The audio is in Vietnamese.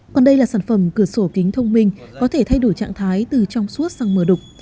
còn đây là sản phẩm cửa sổ kính thông minh có thể thay đổi trạng thái từ trong suốt sang mở đục